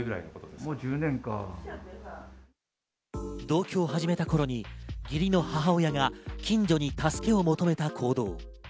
同居を始めた頃に義理の母親が近所に助けを求めた行動。